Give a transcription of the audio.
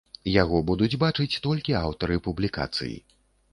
Яго будуць бачыць толькі аўтары публікацый.